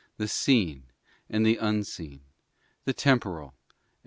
The seen and the unseen? The temporal and the eternal